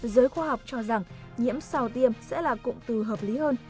giới khoa học cho rằng nhiễm sau tiêm sẽ là cụm từ hợp lý hơn